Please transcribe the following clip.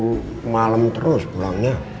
kemalem terus pulangnya